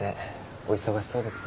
お忙しそうですね